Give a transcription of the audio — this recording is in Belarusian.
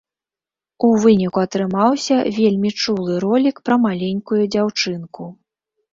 У выніку атрымаўся вельмі чулы ролік пра маленькую дзяўчынку.